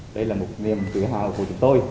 đây là một niềm tự hào của chúng tôi